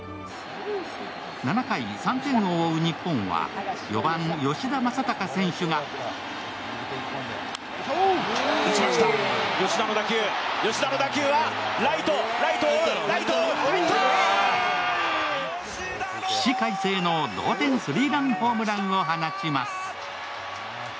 ７回、３点を追う日本は４番・吉田正尚選手が起死回生の同点スリーランホームランを放ちます。